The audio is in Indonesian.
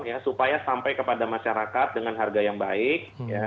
untuk upaya sampai kepada masyarakat dengan harga yang baik